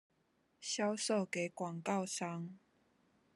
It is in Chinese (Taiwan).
銷售給廣告商